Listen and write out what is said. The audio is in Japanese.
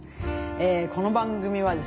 この番組はですね